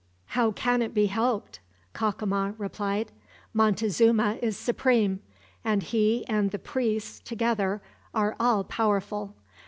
"How can it be helped?" Cacama replied. "Montezuma is supreme; and he and the priests, together, are all powerful.